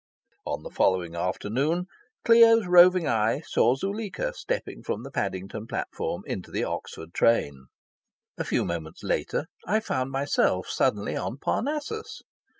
On the following afternoon, Clio's roving eye saw Zuleika stepping from the Paddington platform into the Oxford train. A few moments later I found myself suddenly on Parnassus.